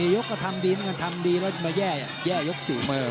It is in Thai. ๔ยกก็ทำดีทำดีแล้วมาแย่ยกสี่